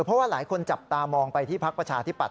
เพราะว่าหลายคนจับตามองไปที่พักประชาธิปัต